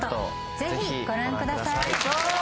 ぜひご覧ください